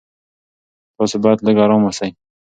تاسو باید لږ ارام اوسئ.